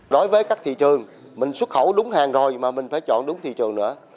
đối với các thị trường mình xuất khẩu đúng hàng rồi mà mình phải chọn đúng thị trường nữa